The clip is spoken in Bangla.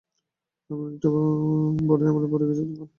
আমি একটা বড় ঝামেলায় পড়ে গেছি, লিংকন।